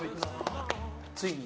ついに。